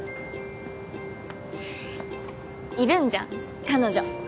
いるんじゃん彼女。